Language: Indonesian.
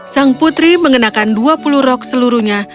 sang putri mengenakan dua puluh rok seluruhnya